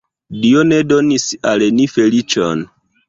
Dio ne donis al ni feliĉon!